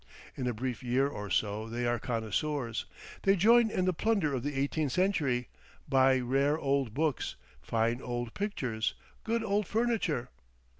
In a brief year or so they are connoisseurs. They join in the plunder of the eighteenth century, buy rare old books, fine old pictures, good old furniture.